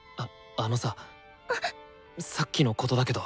あのささっきのことだけど。